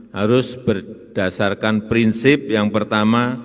harus berdasarkan prinsip yang pertama